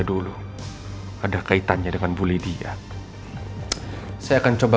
kalau ternyata apa yang menimpa perusahaan suaminya